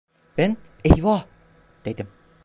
Ben, "eyvah!" dedim.